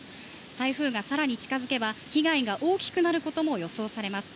台風が更に近づけば被害が大きくなることも予想されます。